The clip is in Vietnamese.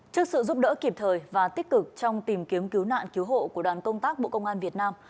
trước sự giúp đỡ kịp thời và tích cực trong tìm kiếm cứu nạn cứu hộ của đoàn công tác bộ công an việt nam